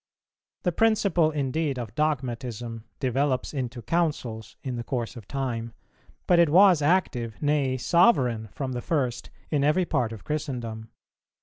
The principle indeed of Dogmatism developes into Councils in the course of time; but it was active, nay sovereign from the first, in every part of Christendom.